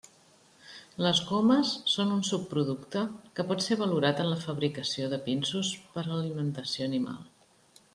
Les gomes són un subproducte que pot ser valorat en la fabricació de pinsos per a alimentació animal.